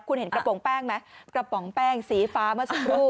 คุณเห็นกระป๋องแป้งไหมกระป๋องแป้งสีฟ้าเมื่อสักครู่